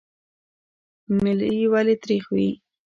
ملی ولې تریخ وي؟